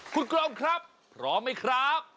คุณกรองครับพร้อมไหมครับ